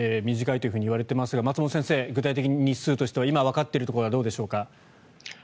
短いといわれていますが松本先生、具体的に日数としては今わかっているところではどうでしょうか？